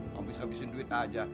kamu bisa habisin duit aja